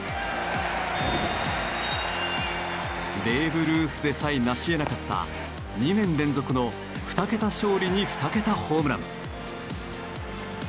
ベーブ・ルースでさえなし得なかった２年連続の２桁勝利に２桁ホームラン。